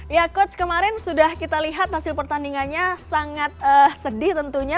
ya coach kemarin sudah kita lihat hasil pertandingannya sangat sedih tentunya